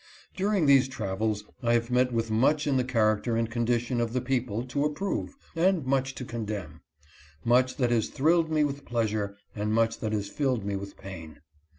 During these travels I have met with much in the character and condition of the people to approve, and much to condemn, much that has thrilled me with pleasure, and much that has filled me with pain.